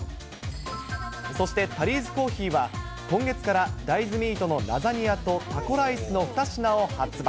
そしてタリーズコーヒーは、今月から大豆ミートのラザニアとタコライスの２品を発売。